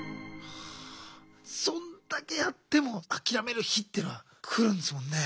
そんだけやっても諦める日っていうのは来るんですもんね。